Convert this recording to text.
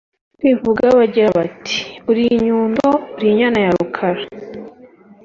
kwivuga bagira bati: “ Uri inyundo, uri inyana ya Rukara